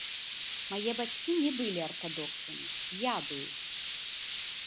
Мае бацькі не былі артадоксамі, я быў.